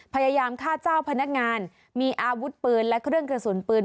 พยายามฆ่าเจ้าพนักงานมีอาวุธปืนและเครื่องกระสุนปืน